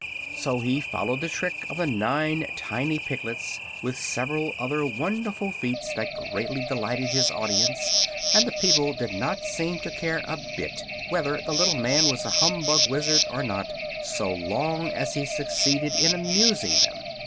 So he followed the trick of the nine tiny piglets with several other wonderful feats that greatly delighted his audience and the people did not seem to care a bit whether the little man was a humbug Wizard or not, so long as he succeeded in amusing them.